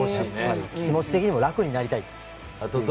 気持ち的にも楽になりたいです。